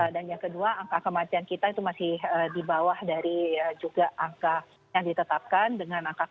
dan yang kedua angka kematian kita masih di bawah dari juga angka yang ditetapkan dengan angka kematian